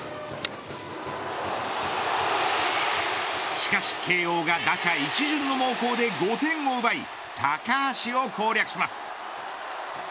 しかし慶応が打者１巡の猛攻で５点を奪い高橋を攻略します。